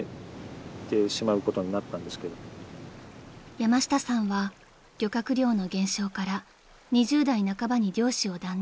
［山下さんは漁獲量の減少から２０代半ばに漁師を断念］